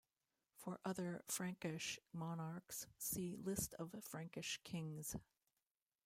For other Frankish monarchs, see List of Frankish kings.